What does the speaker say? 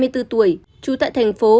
hai mươi bốn tuổi trú tại thành phố